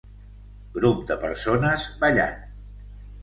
Grup de persones ballant